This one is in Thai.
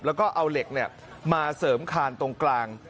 แล้วก็เอาเหล็กมาเสริมคานตรงกลาง